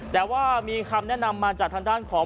แต่ว่ามีคำแนะนำมาจากทางด้านของ